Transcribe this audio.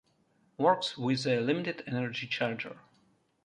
Works with a limited energy charger.